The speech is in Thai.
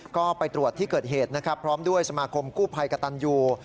ก็ไปตรวจที่เกิดเหตุนะครับพร้อมด้วยสมาคมกู้ภัยกระตันยู